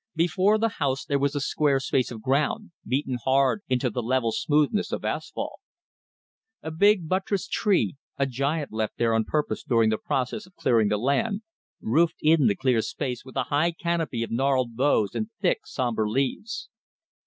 Before the house there was a square space of ground, beaten hard into the level smoothness of asphalte. A big buttressed tree, a giant left there on purpose during the process of clearing the land, roofed in the clear space with a high canopy of gnarled boughs and thick, sombre leaves.